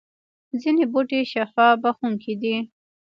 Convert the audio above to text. ځینې بوټي شفا بخښونکي دي